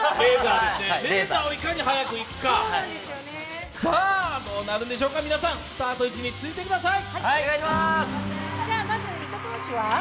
レーザーをいかに速く行くか、さあどうなるんでしょうか、スタート位置についてください。